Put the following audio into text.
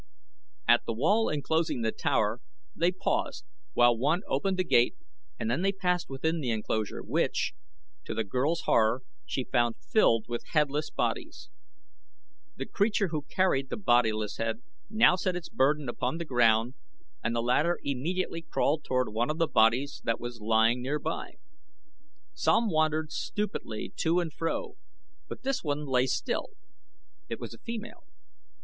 At the wall enclosing the tower they paused while one opened the gate and then they passed within the enclosure, which, to the girl's horror, she found filled with headless bodies. The creature who carried the bodiless head now set its burden upon the ground and the latter immediately crawled toward one of the bodies that was lying near by. Some wandered stupidly to and fro, but this one lay still. It was a female.